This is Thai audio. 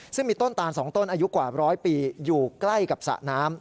ซึ่งมีต้นตาน๒ต้นอายุกว่าร้อยปีอยู่ใกล้กับสระน้ำ